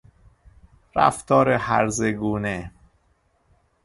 رفتار هرزه گونه